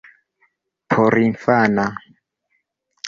porinfana